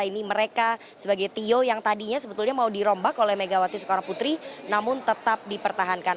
ini mereka sebagai tio yang tadinya sebetulnya mau dirombak oleh megawati soekarno putri namun tetap dipertahankan